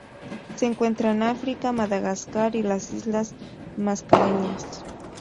Se encuentra en África, Madagascar y las islas Mascareñas.